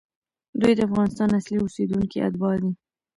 دوی د افغانستان اصلي اوسېدونکي، اتباع دي،